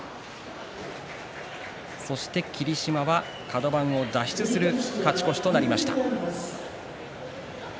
そして霧島はカド番を脱出する勝ち越しとなりました。